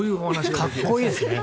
かっこいいですね。